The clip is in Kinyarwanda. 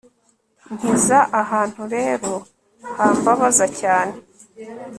nkiza ahantu rero hambabaza cyane